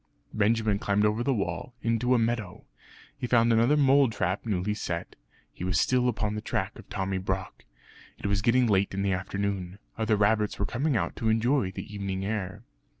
Benjamin climbed over the wall, into a meadow. He found another mole trap newly set; he was still upon the track of Tommy Brock. It was getting late in the afternoon. Other rabbits were coming out to enjoy the evening air.